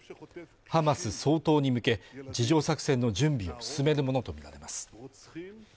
ハマス掃討に向け地上作戦の準備を進めるものとみられます